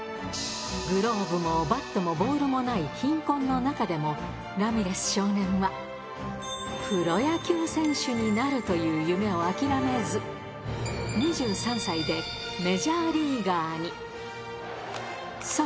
グローブもバットもボールもない貧困の中でも、ラミレス少年はプロ野球選手になるという夢を諦めず、２３歳でメジャーリーガーに。